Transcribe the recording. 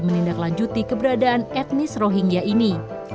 menindaklanjuti keberadaan etnis rohingya ini